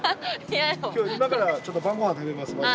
今日今からちょっと晩ごはん食べますマジで。